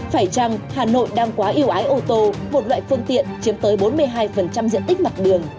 phải chăng hà nội đang quá yêu ái ô tô một loại phương tiện chiếm tới bốn mươi hai diện tích mặt đường